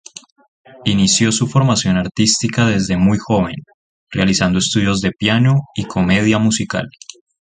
Inició su formación artística desde muy joven, realizando estudios de piano y comedia musical.